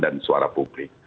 dan suara publik